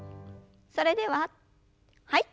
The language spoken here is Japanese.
それでははい。